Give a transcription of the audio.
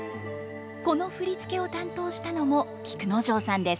この振り付けを担当したのも菊之丞さんです。